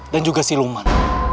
dan juga siluman